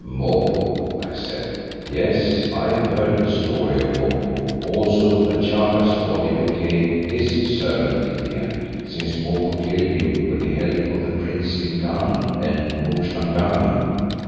"Mopo," I said, "yes, I have heard the story of Mopo, also that Chaka's body became his servant in the end, since Mopo killed him with the help of the princes Dingaan and Umhlangana.